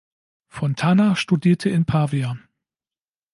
Fontana studierte in Pavia.